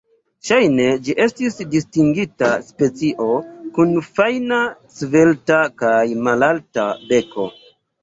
Ŝajne ĝi estis distinga specio, kun fajna, svelta kaj malalta beko.